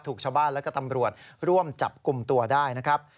ถูกชาวบ้านและก็ตำรวจร่วมจับกลุ่มตัวได้นะครับ